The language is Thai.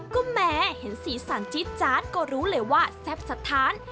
ก็แม้เห็นสีสันจี๊ดจาดก็รู้เลยว่าแซ่บสะท้าน